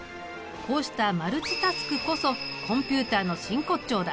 こうしたマルチタスクこそコンピュータの真骨頂だ。